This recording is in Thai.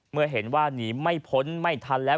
เมื่อเห็นว่าหนีไม่พ้นไม่ทันแล้ว